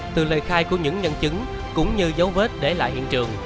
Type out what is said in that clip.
từ lời khai của những nhân chứng cũng như dấu vết để lại hiện trường